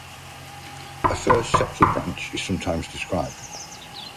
A "first septal branch" is sometimes described.